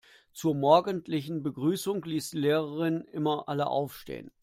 Zur morgendlichen Begrüßung ließ die Lehrerin immer alle aufstehen.